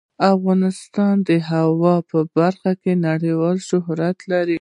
افغانستان د هوا په برخه کې نړیوال شهرت لري.